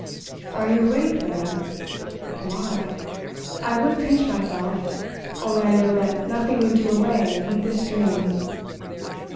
Are you awake, Lena? Am I? I would pinch myself, only I know that nothing would do away with this dream.